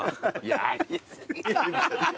やり過ぎ。